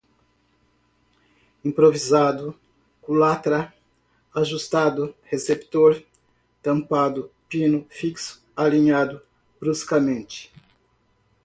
improvisado, culatra, ajustado, receptor, tampado, pino, fixo, alinhado, bruscamente